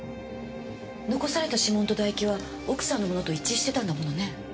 残された指紋と唾液は奥さんのものと一致してたんだものね？